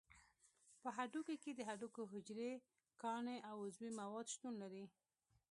په هډوکي کې د هډوکو حجرې، کاني او عضوي مواد شتون لري.